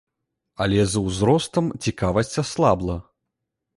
Але з узростам цікавасць аслабла.